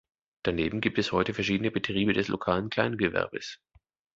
Daneben gibt es heute verschiedene Betriebe des lokalen Kleingewerbes.